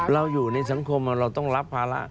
เราอยู่ในสังคมเราต้องรับภาระ